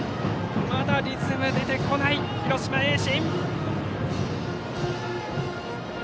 まだリズムが出てこない広島・盈進。